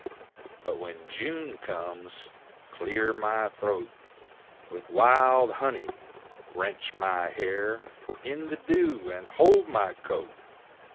But when June comes Clear my th'oat With wild honey ! Rench my hair In the dew! And hold my coat!